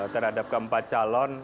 terhadap ke empat calon